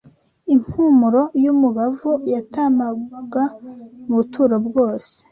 impumuro y’umubavu yatamaga mu buturo bwose